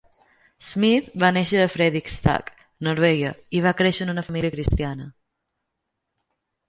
Smith va néixer a Fredrikstad, Noruega, i va créixer en una família cristiana.